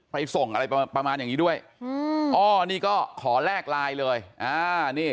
ส่งอะไรประมาณอย่างนี้ด้วยอืมอ้อนี่ก็ขอแลกไลน์เลยอ่านี่